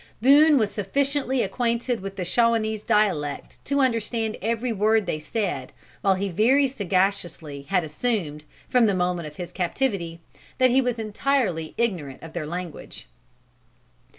Boone was sufficiently acquainted with the Shawanese dialect to understand every word they said, while he very sagaciously had assumed, from the moment of his captivity, that he was entirely ignorant of their language.